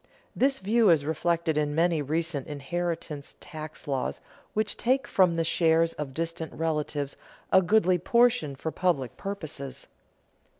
This view is reflected in many recent inheritance tax laws which take from the shares of distant relatives a goodly portion for public purposes.